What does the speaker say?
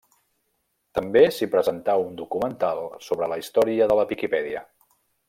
També s'hi presentà un documental sobre la història de la Viquipèdia.